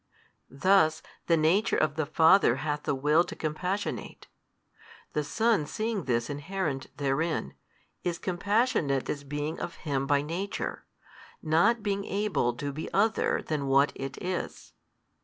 Thus, the Nature of the Father hath the Will to compassionate: the Son seeing this inherent therein, is Compassionate as being of Him by Nature, not being able to be Other than what It is.